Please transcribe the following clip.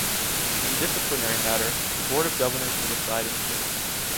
In disciplinary matter, the Board of Governors will decide in full.